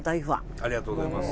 ありがとうございます。